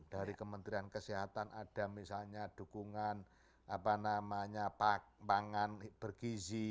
dari kementerian kesehatan ada misalnya dukungan apa namanya pangan bergizi